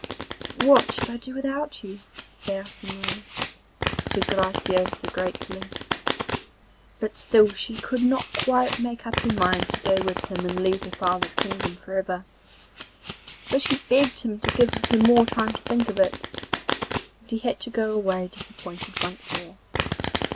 'What should I do without you, Percinet?' said Graciosa gratefully. But still she could not quite make up her mind to go with him and leave her father's kingdom for ever; so she begged him to give her more time to think of it, and he had to go away disappointed once more.